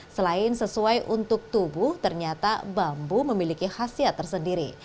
selain sesuai untuk tubuh ternyata bambu memiliki khasiat tersendiri